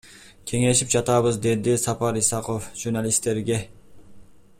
Кеңешип жатабыз, — деди Сапар Исаков журналисттерге.